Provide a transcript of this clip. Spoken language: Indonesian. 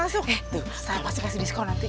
tuh saya pasti pasti diskon nanti